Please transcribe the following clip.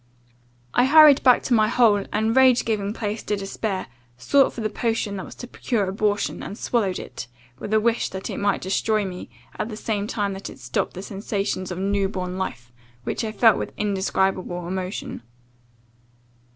"I hurried back to my hole, and, rage giving place to despair, sought for the potion that was to procure abortion, and swallowed it, with a wish that it might destroy me, at the same time that it stopped the sensations of new born life, which I felt with indescribable emotion.